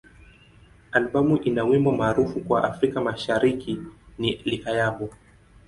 Albamu ina wimbo maarufu kwa Afrika Mashariki ni "Likayabo.